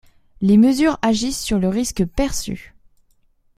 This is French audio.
Les mesures agissent sur le risque perçu.